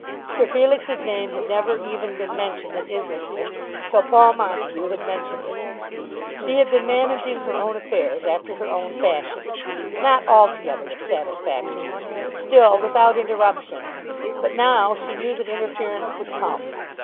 Sir Felix's name had never even been mentioned in Islington till Paul Montague had mentioned it. She had been managing her own affairs after her own fashion, not altogether with satisfaction, but still without interruption; but now she knew that interference would come.